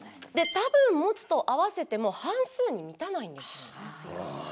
「たぶん持つ」と合わせても半数に満たないんですよね。